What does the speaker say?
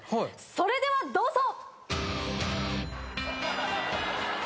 それではどうぞ！